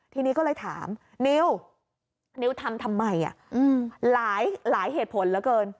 ทีนี้ก็เลยถามนิวนิวทำทำไมหลายเหตุผลเหลือเกิน